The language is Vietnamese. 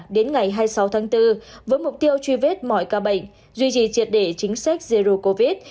đến ngày hai mươi sáu tháng bốn với mục tiêu truy vết mọi ca bệnh duy trì triệt để chính sách zero covid